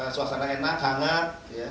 suasana enak hangat